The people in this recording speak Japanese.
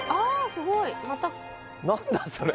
すごいまた何だそれ？